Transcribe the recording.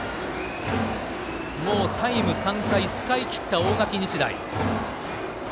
もうタイム３回、使い切った大垣日大。